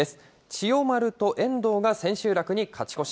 千代丸と遠藤が千秋楽に勝ち越し。